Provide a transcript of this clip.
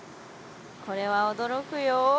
これは驚くよ。